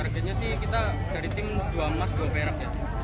targetnya kita dari tim dua emas dua perak